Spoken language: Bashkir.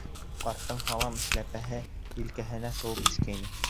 Ҡарттың һалам эшләпәһе елкәһенә шыуып төшкәйне.